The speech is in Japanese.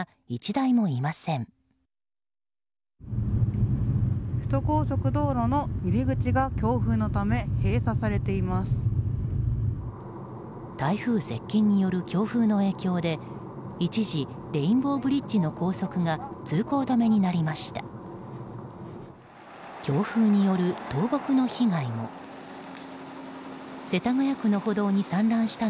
台風接近による強風の影響で一時レインボーブリッジの高速が通行止めになりました。